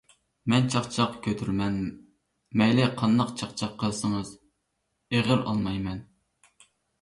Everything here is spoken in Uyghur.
مەن چاقچاق كۆتۈرىمەن. مەيلى قانداق چاقچاق قىلسىڭىز ئېغىر ئالمايمەن.